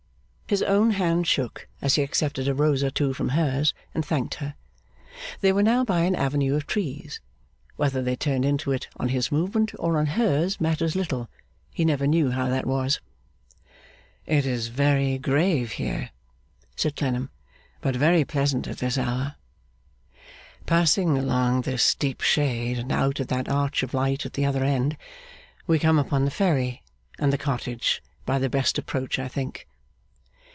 His own hand shook, as he accepted a rose or two from hers and thanked her. They were now by an avenue of trees. Whether they turned into it on his movement or on hers matters little. He never knew how that was. 'It is very grave here,' said Clennam, 'but very pleasant at this hour. Passing along this deep shade, and out at that arch of light at the other end, we come upon the ferry and the cottage by the best approach, I think.